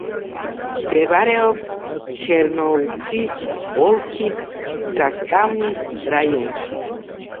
მდებარეობს ჩერნოვცის ოლქის ზასტავნის რაიონში.